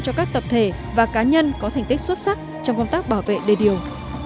cho các tập thể và cá nhân có thành tích xuất sắc trong công tác bảo vệ đề điều